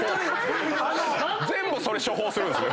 全部それ処方するんすね。